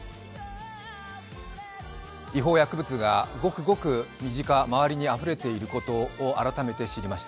違法薬物がごくごく身近周りにあふれていることを知りました。